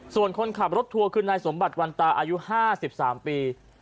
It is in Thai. ส่วนคนขับรถทัวร์คือนายสมบัติวันตาอายุ๕๓ปี